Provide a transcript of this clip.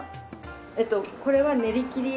えっとこれは練り切りで。